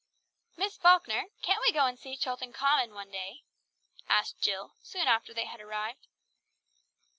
"Miss Falkner, can't we go and see Chilton Common one day?" asked Jill, soon after they had arrived.